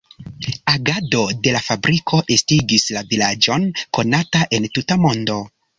Agado de la fabriko estigis la vilaĝon konata en tuta mondo.